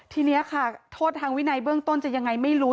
ทีนี้ค่ะโทษทางวินัยเบื้องต้นจะยังไงไม่รู้